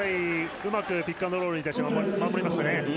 うまくピック・アンド・ロールに対して守りましたね。